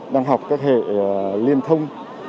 đang học các hệ liên thông